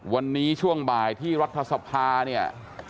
วันนี้ช่วงบ่ายที่รัฐสภาเนี่ย